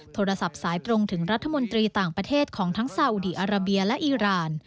โทรศัพท์สายตรงถึงรัฐมนตรีต่างประเทศของทั้งซาอุดีอาราเบียและอีราน